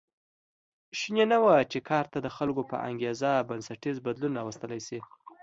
شونې نه وه چې کار ته د خلکو په انګېزه بنسټیز بدلون راوستل شي